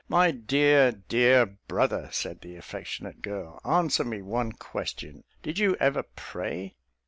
"My dear, dear brother," said the affectionate girl, "answer me one question. Did you ever pray?"